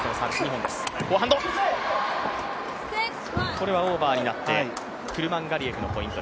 これはオーバーになってクルマンガリエフのポイント。